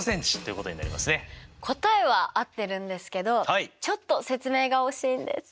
答えは合ってるんですけどちょっと説明が惜しいんです！